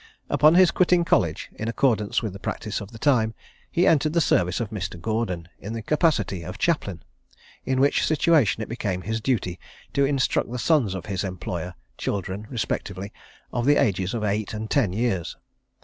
Upon his quitting college, in accordance with the practice of the time he entered the service of Mr. Gordon in the capacity of chaplain, in which situation it became his duty to instruct the sons of his employer, children respectively of the ages of eight and ten years.